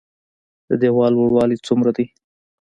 د ديوال لوړوالی څومره ده؟